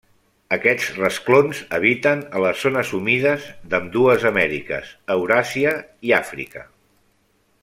Aquests rasclons habiten a les zones humides d'ambdues Amèriques, Euràsia i Àfrica.